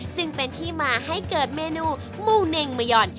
จึงเป็นที่มาให้เกิดเมนูมูเน่งมะยอน